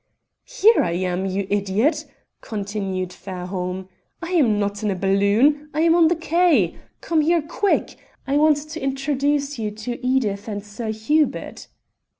"Here I am, you idiot," continued Fairholme. "I am not in a balloon. I am on the quay. Come here quick. I want to introduce you to Edith and Sir Hubert."